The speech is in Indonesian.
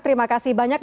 terima kasih banyak